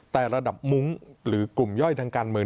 แต่ระดับมุ้งหรือกลุ่มย่อยทางการเมือง